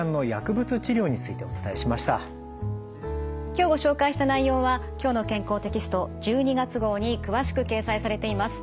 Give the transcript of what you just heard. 今日ご紹介した内容は「きょうの健康」テキスト１２月号に詳しく掲載されています。